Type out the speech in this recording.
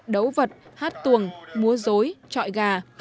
đấu vật hát tuồng múa dối trọi gà